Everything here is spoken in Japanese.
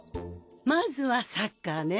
まずはサッカーね。